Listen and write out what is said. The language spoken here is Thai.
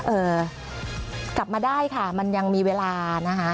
เอ่อกลับมาได้ค่ะมันยังมีเวลานะคะ